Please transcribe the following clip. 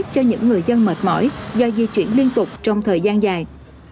cho những người dân mệt mỏi do di chuyển liên tục trong thời gian dài